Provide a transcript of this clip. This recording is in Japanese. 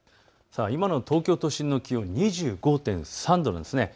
今の東京都心の気温、２５．３度あります。